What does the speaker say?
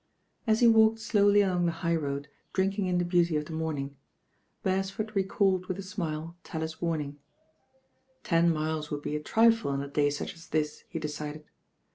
As he walked slowly along the high road drinking m the beauty of the morning, Bcresford rccaUed with a smile Tallis' warning. Ten miles would be a triee on a day such as this, he decided.